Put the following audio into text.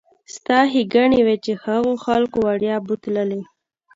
ستا ښېګڼې وي چې هغو خلکو وړیا بوتللې.